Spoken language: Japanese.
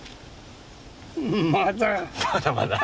まだ。